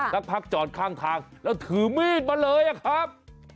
สักพักจอดข้างทางแล้วถือมีดมาเลยอะครับ